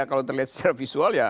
kalau terlihat secara visual ya